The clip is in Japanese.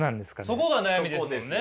そこが悩みですもんね。